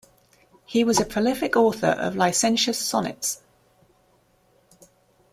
He was a prolific author of licentious sonnets.